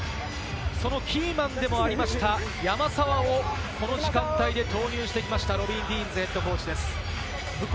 そのキーマンでもありました、山沢をこの時間帯で投入してきました、ロビー・ディーンズＨＣです。